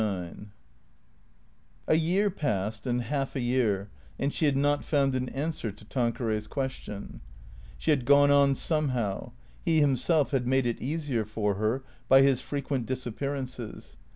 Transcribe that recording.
" LIX AYEAE passed and half a year, and she had not found an answer to Tanqueray's question. She had gone on somehow. He himself had made it easier for her by his frequent disappearances.